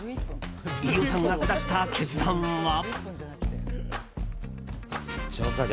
飯尾さんが下した決断は？